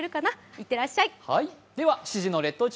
行ってらっしゃい。